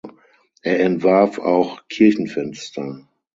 Er entwarf auch Kirchenfenster.